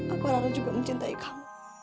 aku rano juga mencintai kamu